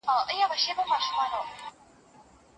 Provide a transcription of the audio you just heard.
د لامبو درې میاشتې تمرین د رګونو بندېدنه کموي.